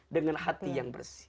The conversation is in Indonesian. dengan hati yang bersih